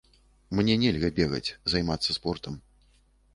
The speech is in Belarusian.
Мне нельга бегаць, займацца спортам.